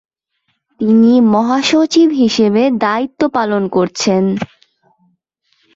তিনি মহাসচিব হিসেবে দায়িত্বপালন করেছেন।